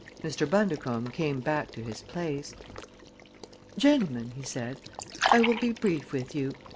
Mr. Bundercombe came back to his place. "Gentlemen," he said, "I will be brief with you.